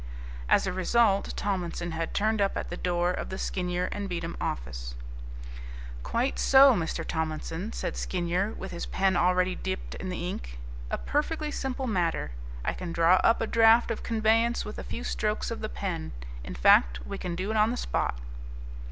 As a result, Tomlinson had turned up at the door of the Skinyer and Beatem office. "Quite so, Mr. Tomlinson," said Skinyer, with his pen already dipped in the ink, "a perfectly simple matter. I can draw up a draft of conveyance with a few strokes of the pen. In fact, we can do it on the spot."